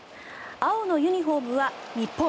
青のユニホームは日本。